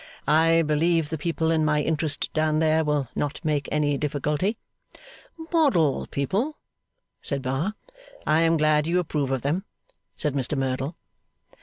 'I believe the people in my interest down there will not make any difficulty.' 'Model people!' said Bar. 'I am glad you approve of them,' said Mr Merdle.